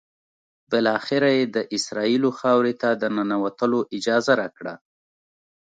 بالآخره یې د اسرائیلو خاورې ته د ننوتلو اجازه راکړه.